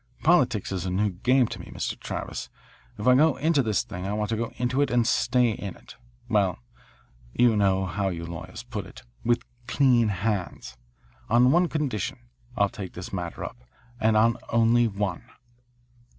Politics is a new game to me, Mr. Travis. If I go into this thing I want to go into it and stay in it well, you know how you lawyers put it, with clean hands. On one condition I'll take the matter up, and on only one."